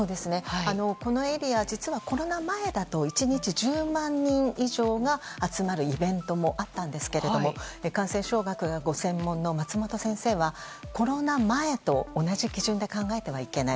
このエリア、実はコロナ前だと１日１０万人以上が集まるイベントもあったんですが感染症学がご専門の松本先生はコロナ前と同じ基準で考えてはいけない。